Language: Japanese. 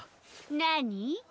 なに？